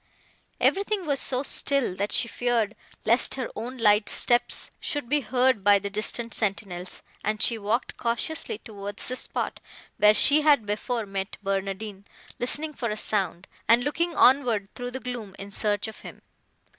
Everything was so still, that she feared, lest her own light steps should be heard by the distant sentinels, and she walked cautiously towards the spot, where she had before met Barnardine, listening for a sound, and looking onward through the gloom in search of him.